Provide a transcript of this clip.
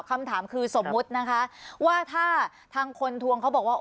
คำถามคือสมมุตินะคะว่าถ้าทางคนทวงเขาบอกว่า